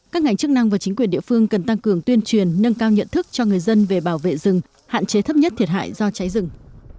các ngành chức năng và chính quyền địa phương cần tăng cường tuyên truyền nâng cao nhận thức cho người dân về bảo vệ rừng hạn chế thấp nhất thiệt hại do cháy rừng